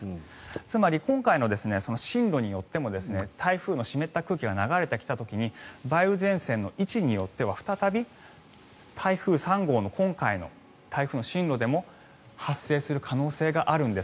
つまり今回の進路によっても台風の湿った空気が流れてきた時に梅雨前線の位置によっては再び台風３号の今回の台風の進路でも発生する可能性があるんです